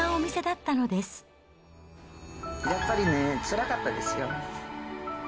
やっぱりね、つらかったですよ。